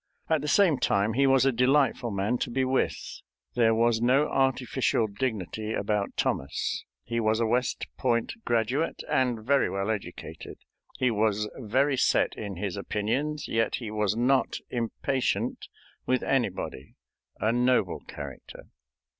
At the same time he was a delightful man to be with; there was no artificial dignity about Thomas. He was a West Point graduate, and very well educated. He was very set in his opinions, yet he was not impatient with anybody a noble character.